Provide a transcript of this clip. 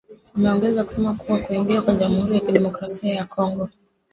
Wameongeza kusema kuwa kuingia kwa jamhuri ya kidemokrasia ya Kongo